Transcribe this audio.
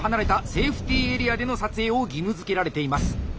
セーフティーエリアでの撮影を義務づけられています。